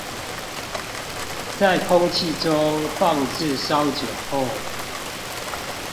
在空氣中放置稍久後